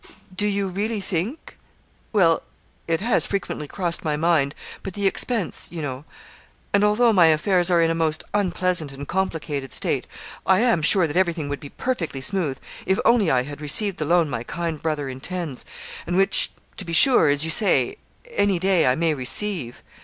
Do you really think well, it has frequently crossed my mind but the expense, you know; and although my affairs are in a most unpleasant and complicated state, I am sure that everything would be perfectly smooth if only I had received the loan my kind brother intends, and which, to be sure, as you say, any day I may receive.'